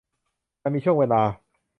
มันมีช่วงเวลา